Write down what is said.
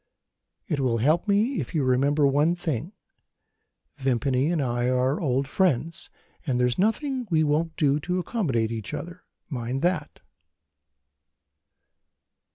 It will help me if you remember one thing. Vimpany and I are old friends, and there's nothing we won't do to accommodate each other. Mind that!"